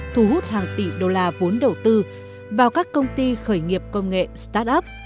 thu hút hàng tỷ đô la vốn đầu tư vào các công ty khởi nghiệp công nghệ start up